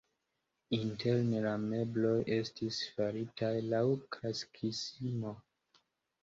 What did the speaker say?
Interne la mebloj estis faritaj laŭ klasikismo.